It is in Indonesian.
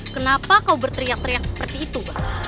kenapa kau berteriak teriak seperti itu